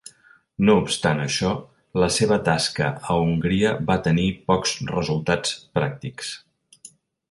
No obstant això, la seva tasca a Hongria va tenir pocs resultats pràctics.